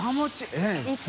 えっ。